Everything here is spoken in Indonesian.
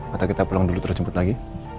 maka kita pulang dulu terus jemput lagi